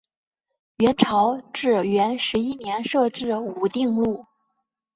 元朝至元十一年设置武定路。